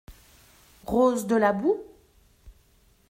Rose De la boue ?